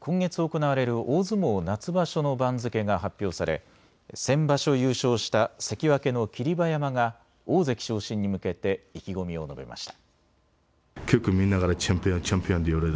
今月行われる大相撲夏場所の番付が発表され先場所優勝した関脇の霧馬山が大関昇進に向けて意気込みを述べました。